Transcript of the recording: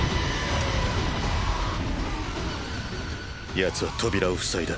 ヤツは扉を塞いだ。